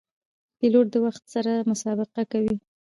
پیلوټ د وخت سره مسابقه کوي.